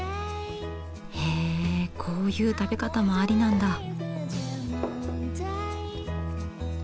へえこういう食べ方もありなんだ。